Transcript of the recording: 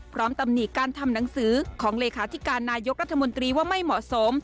ตำหนิการทำหนังสือของเลขาธิการนายกรัฐมนตรีว่าไม่เหมาะสม